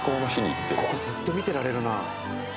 ここずっと見てられるな。